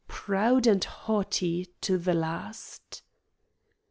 "Proud and haughty to the last."